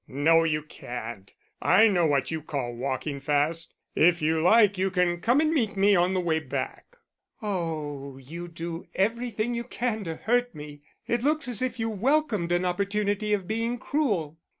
"No, you can't I know what you call walking fast. If you like you can come and meet me on the way back." "Oh, you do everything you can to hurt me. It looks as if you welcomed an opportunity of being cruel."